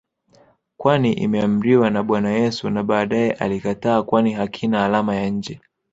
kwani imeamriwa na Bwana Yesu na baadae alikataa kwani hakina alama ya nje